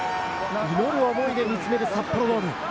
祈る思いで見つめる札幌ドーム。